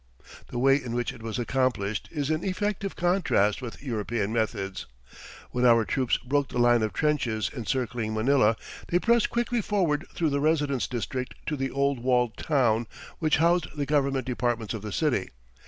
The way in which it was accomplished is in effective contrast with European methods. When our troops broke the line of trenches encircling Manila they pressed quickly forward through the residence district to the old walled town, which housed the governmental departments of the city.